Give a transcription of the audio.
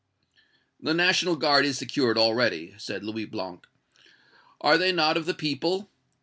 "The National Guard is secured already," said Louis Blanc. "Are they not of the people?